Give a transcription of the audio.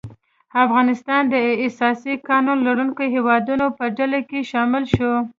افغانستان د اساسي قانون لرونکو هیوادو په ډله کې شامل شو.